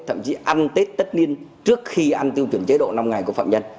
thậm chí ăn tết tất niên trước khi ăn tiêu chuẩn chế độ năm ngày của phạm nhân